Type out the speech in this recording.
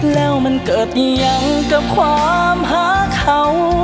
แล้วมันเกิดอย่างกับความหาเขา